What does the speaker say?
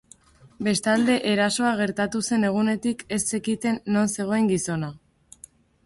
Bestalde, erasoa gertatu zen egunetik ez zekiten non zegoen gizona.